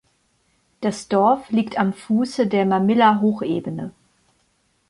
Das Dorf liegt am Fuße der Marmilla-Hochebene.